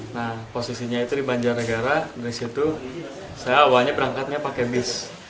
nah posisinya itu di banjarnegara dari situ saya awalnya berangkatnya pakai bis